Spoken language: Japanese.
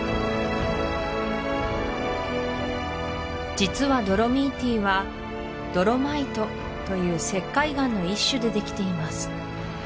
実はドロミーティはドロマイトという石灰岩の一種でできています